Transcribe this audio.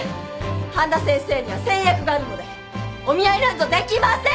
半田先生には先約があるのでお見合いなんぞできません！